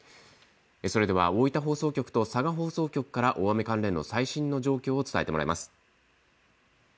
それでは大分放送局と佐賀放送局から大雨関連の最新の状況を伝えてもらいます。